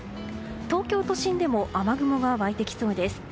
東京都心でも雨雲が湧いてきそうです。